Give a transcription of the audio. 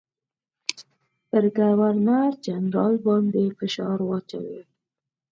پر ګورنرجنرال باندي فشار واچوي.